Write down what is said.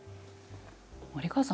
森川さん